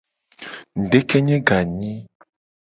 Ngudekenye ganyi.